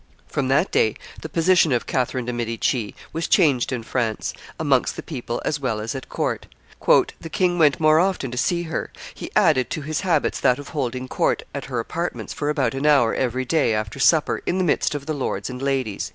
From that day the position of Catherine de' Medici was changed in France, amongst the people as well as at court. "The king went more often to see her; he added to his habits that of holding court at her apartments for about an hour every day after supper in the midst of the lords and ladies."